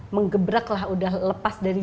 mengebrak lah udah lepas dari